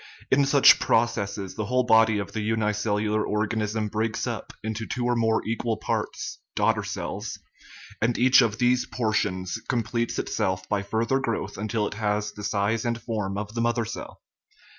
In such processes the whole body of the unicellular organism breaks up into two or more equal parts (daughter cells), and each of these portions completes itself by further growth until it has the size and form of the mother cell.